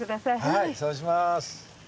はいそうします。